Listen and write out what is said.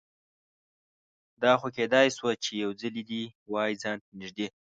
دا خو کیدای شوه چې یوځلې دې وای ځان ته نږدې